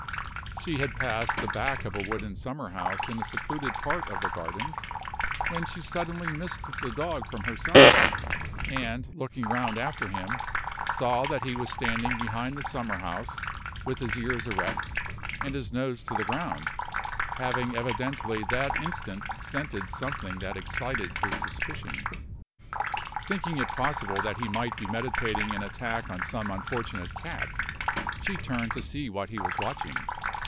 She had passed the back of a wooden summer house in a secluded part of the gardens, when she suddenly missed the dog from her side; and, looking round after him, saw that he was standing behind the summer house with his ears erect and his nose to the ground, having evidently that instant scented something that excited his suspicion. Thinking it possible that he might be meditating an attack on some unfortunate cat, she turned to see what he was watching.